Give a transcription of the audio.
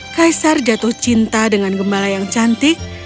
kaisar jatuh cinta dengan gembala yang cantik